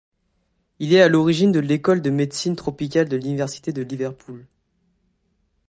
Il est à l'origine de l'école de médecine tropicale de l'Université de Liverpool.